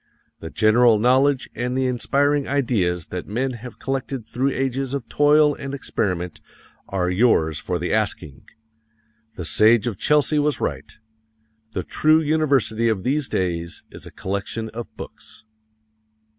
The general knowledge and the inspiring ideas that men have collected through ages of toil and experiment are yours for the asking. The Sage of Chelsea was right: "The true university of these days is a collection of books."